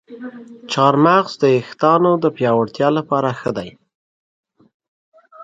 پښتانه باید د دې کړنو پر وړاندې یو غږ راپورته کړي.